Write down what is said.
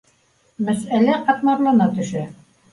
Мәсьәлә ҡатмарлана төшә